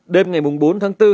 đêm ngày bốn tháng bốn